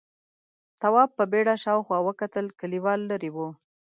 تواب په بيړه شاوخوا وکتل، کليوال ليرې و: